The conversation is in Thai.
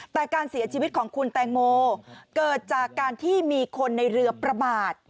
แต่การเสียชีวิตของคุณแตงโมเกิดจากการที่มีคนในเรือประมาท